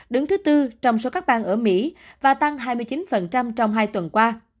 đứng thứ tư trong số các bang ở mỹ và tăng hai mươi chín trong hai tuần qua